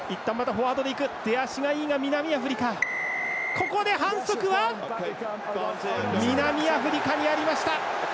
ここで反則は南アフリカにありました。